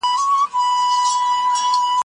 مجبوره وم دبل د ژوند کيسه به مي کوله